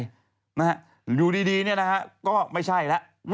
อยู่ดีก็ไม่ใช่แล้ว